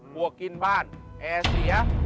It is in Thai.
วกกินบ้านแอร์เสีย